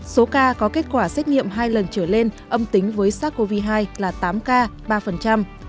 số ca có kết quả xét nghiệm hai lần trở lên âm tính với sars cov hai là tám ca ba